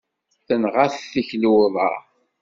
Tenɣa-t tikli uḍar.